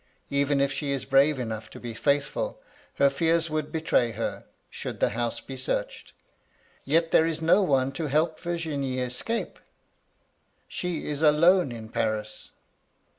Even if she is brave enough to be faithful, her fears would betray her, should the house be searched. Yet, there is no one to help Virginie to escape. She is alone in Paris.'